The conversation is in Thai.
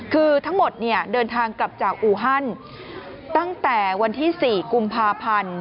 คือทั้งหมดเนี่ยเดินทางกลับจากอูฮันตั้งแต่วันที่๔กุมภาพันธ์